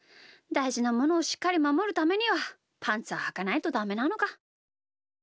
だいじなものをしっかりまもるためにはパンツははかないとダメなのか。